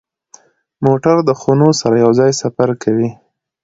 موټر د خونو سره یو ځای سفر کوي.